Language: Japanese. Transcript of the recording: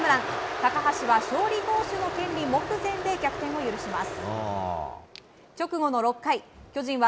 高橋は勝利投手の権利目前で逆転を許します。